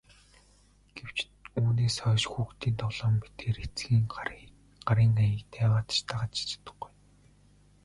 Гэвч үүнээс хойш хүүхдийн тоглоом мэтээр эцгийн гарын аяыг яагаад ч дагаж чадахгүй.